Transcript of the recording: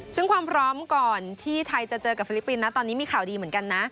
ซึ่งความพร้อมก่อนที่ไทยจะเจอกับฟิลิปปินส์นะตอนนี้มีข่าวดีเหมือนกันนะ